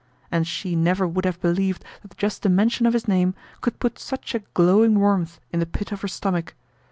And she never would have believed that just the mention of his name could put such a glowing warmth in the pit of her stomach.